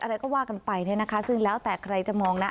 อะไรก็ว่ากันไปเนี่ยนะคะซึ่งแล้วแต่ใครจะมองนะ